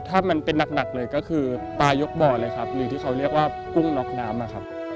ถ้ามันเป็นหนักเลยก็คือปลายกบ่อเลยครับหรือที่เขาเรียกว่ากุ้งน็อกน้ำอะครับ